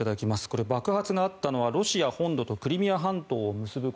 これ、爆発があったのはロシア本土とクリミア半島を結ぶ